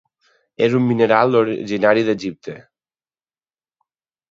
És un mineral originari d'Egipte.